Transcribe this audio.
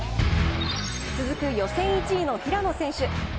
続く予選１位の平野選手。